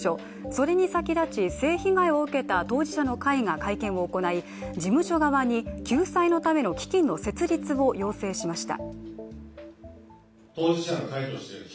それに先立ち、性被害を受けた当事者の会が会見を行い事務所側に救済のために基金の設立を要請しました。